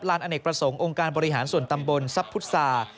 อเนกประสงค์องค์การบริหารส่วนตำบลทรัพย์พุทธศา